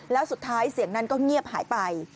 แล้วสุดท้ายเสียงนั้นก็เงียบหายไป